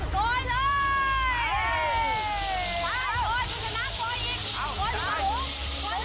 มาใจร้อน